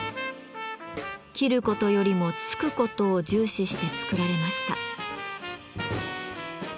斬ることよりも突くことを重視して作られました。